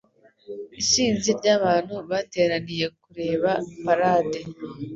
Isinzi ryabantu bateraniye kureba parade.